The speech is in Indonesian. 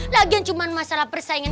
lagian cuma masalah persaingan